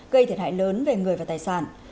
gây thiệt hại lớn về người và tài sản